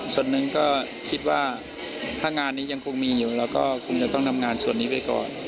ส่วนหนึ่งก็คิดว่าถ้างานนี้ยังคงมีอยู่เราก็คงจะต้องทำงานส่วนนี้ไปก่อน